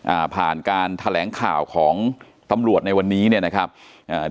อ่าผ่านการแถลงข่าวของตำรวจในวันนี้เนี่ยนะครับอ่า